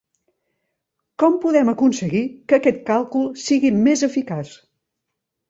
Com podem aconseguir que aquest càlcul sigui més eficaç?